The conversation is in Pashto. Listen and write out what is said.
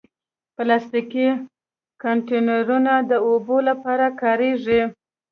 پلاستيکي کانټینرونه د اوبو لپاره کارېږي.